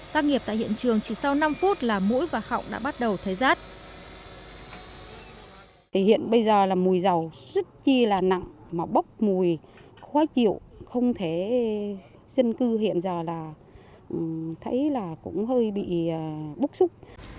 tác nghiệp tại hiện trường chỉ sau năm phút là mũi và họng đã bắt đầu thấy rát